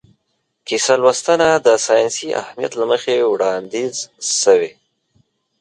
کیسه لوستنه د ساینسي اهمیت له مخې وړاندیز شوې.